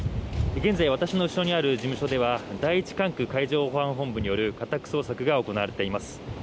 現在私の後ろにある事務所では第一管区海上保安本部による家宅捜索が行われています。